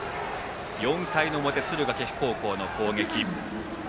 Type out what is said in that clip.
４回の表、敦賀気比高校の攻撃。